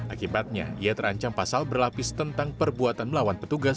akibatnya ia terancam pasal berlapis tentang perbuatan melawan petugas